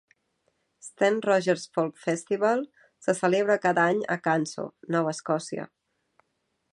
"Stan Rogers Folk Festival" se celebra cada any a Canso, Nova Escòcia.